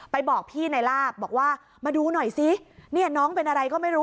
บอกพี่ในลาบบอกว่ามาดูหน่อยซิเนี่ยน้องเป็นอะไรก็ไม่รู้